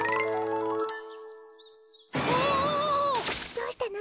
どうしたの？